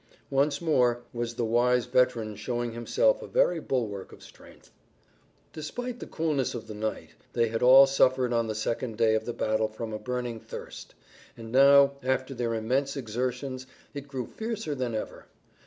Once more was the wise veteran showing himself a very bulwark of strength. Despite the coolness of the night, they had all suffered on the second day of the battle from a burning thirst. And now after their immense exertions it grew fiercer than ever.